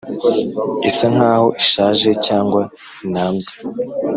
Isa nk aho ishaje cyangwa inambye